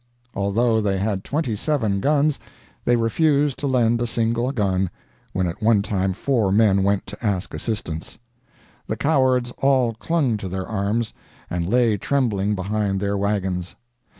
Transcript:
Although they had 27 guns they refused to lend a single gun, when at one time four men went to ask assistance. The cowards all clung to their arms, and lay trembling behind their wagons.